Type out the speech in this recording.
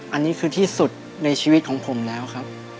อันนี้คือที่สุดในชีวิตของผมแล้วครับ